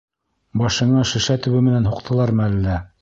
— Башыңа шешә төбө менән һуҡтылармы әллә?